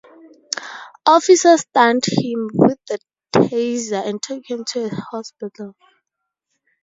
Officers stunned him with the taser and took him to a hospital.